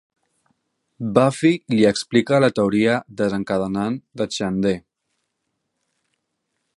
Buffy li explica la teoria desencadenant de Xander.